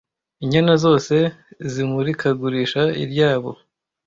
inyana zose zimurikagurisha ryabo